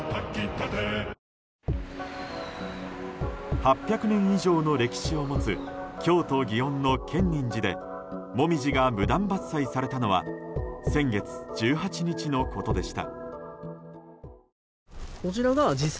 ８００年以上の歴史を持つ京都・祗園の建仁寺でモミジが無断伐採されたのは先月１８日のことでした。